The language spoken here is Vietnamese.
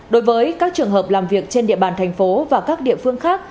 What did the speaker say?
đối với các trường hợp làm việc trên địa bàn thành phố và các địa phương khác